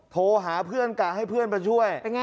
โทรหาเพื่อนกะให้เพื่อนมาช่วย